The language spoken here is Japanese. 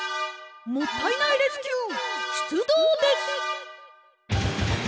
もったいないレスキューしゅつどうです！